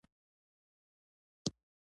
ابراهیم علیه السلام مصر ته لاړ.